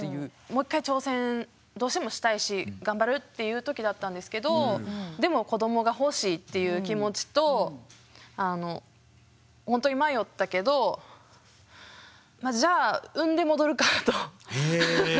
もう１回挑戦どうしてもしたいし頑張るっていう時だったんですけどでも子どもが欲しいっていう気持ちと本当に迷ったけどじゃあへえ！